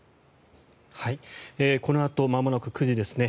このあとまもなく９時ですね。